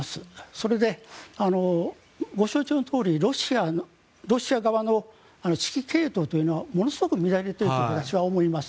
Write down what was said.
それで、ご承知のとおりロシア側の指揮系統というのはものすごく乱れていると私は思います。